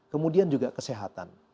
kemudian juga kesehatan